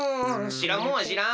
しらんもんはしらん。